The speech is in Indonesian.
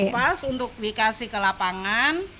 nanti kita kumpas untuk dikasih ke lapangan